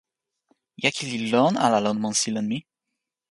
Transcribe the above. jaki li lon ala lon monsi len mi?